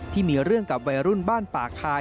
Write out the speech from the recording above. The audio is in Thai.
ที่มีเรื่องกับวัยรุ่นบ้านปากคาย